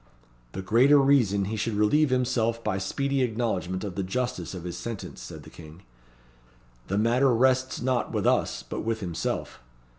'The greater reason he should relieve himself by speedy acknowledgment of the justice of his sentence,' said the King. 'The matter rests not with us, but with himself.'